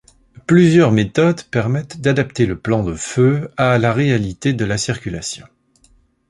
Plusieurs méthodes permettent d’adapter le plan de feux à la réalité de la circulation.